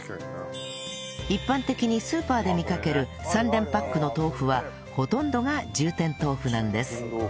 一般的にスーパーで見かける３連パックの豆腐はほとんどが充填豆腐なんです